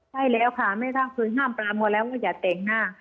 ใช่แล้วค่ะแม่แรงว่าอย่าแต่งหน้า